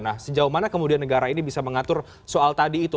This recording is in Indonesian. nah sejauh mana kemudian negara ini bisa mengatur soal tadi itu